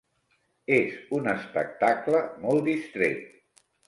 És un espectacle molt distret.